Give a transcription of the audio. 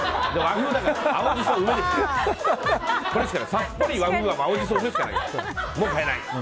さっぱり和風は青ジソ＋梅しかない。